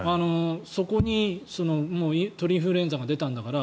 そこに鳥インフルエンザが出たんだから